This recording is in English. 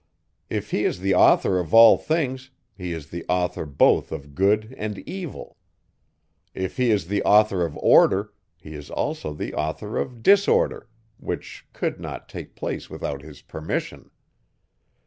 If he is the author of all things, he is the author both of good and evil. If he is the author of order, he is also the author of disorder, which could not take place without his permission.